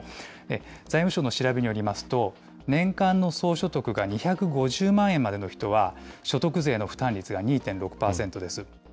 財務省の調べによりますと、年間の総所得が２５０万円までの人は、所得税の負担率が２．６％です。